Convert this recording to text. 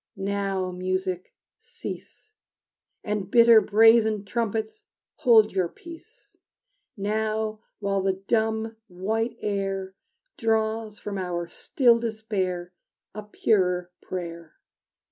Now, music, cease, And bitter brazen trumpets hold your peace! Now, while the dumb, white air Draws from our still despair A purer prayer.